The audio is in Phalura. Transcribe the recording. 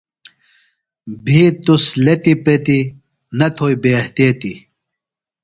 بِھیت تُس لیتیۡ پیتیۡ، نہ تھوئیۡ بے احتیطیۡ